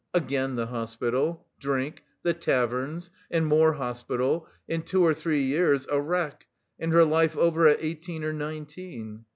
again the hospital... drink... the taverns... and more hospital, in two or three years a wreck, and her life over at eighteen or nineteen....